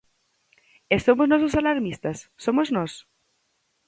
¿E somos nós os alarmistas, somos nós?